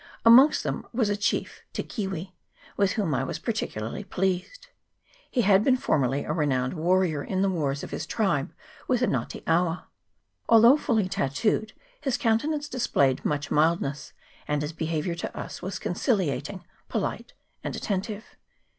Amongst them was a chief, Te Kiwi, with whom I was particularly pleased. He had been formerly a renowned warrior in the wars of his tribe with the Nga te awa. Although fully tattooed, his countenance displayed much mildness,, and his behaviour to us was conciliating, polite, and attentive.